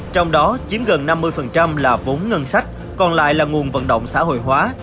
trong đó chiếm gần năm mươi là vốn ngân sách còn lại là nguồn vận động xã hội hóa